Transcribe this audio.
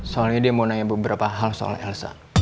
soalnya dia mau nanya beberapa hal soal elsa